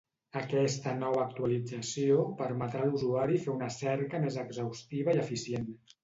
Aquesta nova actualització permetrà a l'usuari fer una cerca més exhaustiva i eficient.